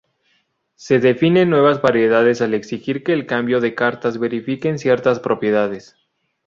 Se definen nuevas variedades al exigir que el cambio de cartas verifique ciertas propiedades.